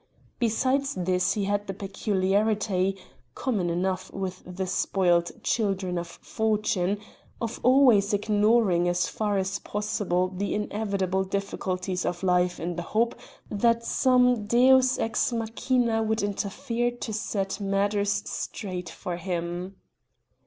Besides this he had the peculiarity common enough with the spoilt children of fortune of always ignoring as far as possible the inevitable difficulties of life in the hope that some deus ex machina would interfere to set matters straight for him.